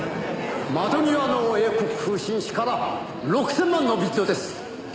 「窓際の英国風紳士から６０００万のビッドです」